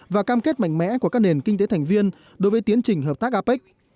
và cam kết mạnh mẽ của các nền kinh tế thành viên đối với tiến trình hợp tác apec